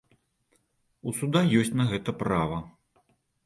У суда ёсць на гэта права.